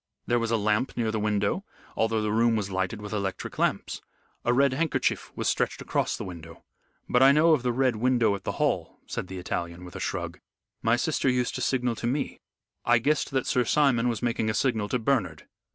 There was a lamp near the window although the room was lighted with electric lamps. A red handkerchief was stretched across the window. But I know of the Red Window at the Hall," said the Italian, with a shrug. "My sister used to signal to me. I guessed that Sir Simon was making a signal to Bernard."